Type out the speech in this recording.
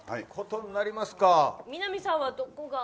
南さんはどこが。